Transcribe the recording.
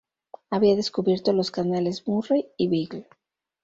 Había descubierto los canales Murray y Beagle.